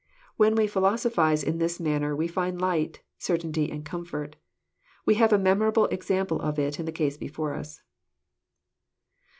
— When we philosophize in this manner we find light, certainty, and comfort. We have a memorable example of it in the case before us."